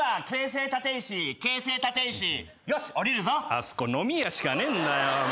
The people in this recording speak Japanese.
あそこ飲み屋しかねえんだよ。